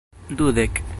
dudek